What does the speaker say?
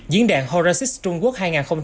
diễn đàn horacis trung quốc hai nghìn hai mươi bốn